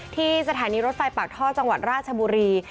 ที่สถานีรถไฟปากท่อจังหวัดราชบุรี